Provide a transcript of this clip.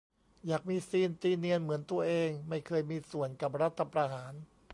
อยากมีซีน ตีเนียน เหมือนตัวเองไม่เคยมีส่วนกับรัฐประหาร